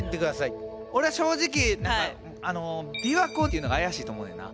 俺正直びわ湖っていうのが怪しいと思うねんな。